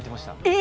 え！